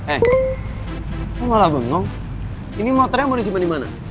eh lo malah bengong ini motornya mau disimpan dimana